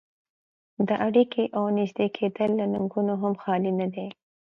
دا اړيکې او نږدې کېدل له ننګونو هم خالي نه دي.